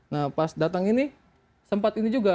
nah pas datang ini sempat ini juga